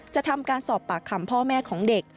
จะทำการสอบปากคำพ่อแม่ของเด็ก